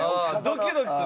ドキドキする。